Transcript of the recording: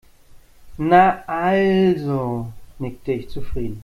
Na also, nickte ich zufrieden.